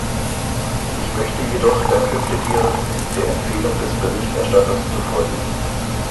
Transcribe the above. Ich möchte jedoch dafür plädieren, der Empfehlung des Berichterstatters zu folgen.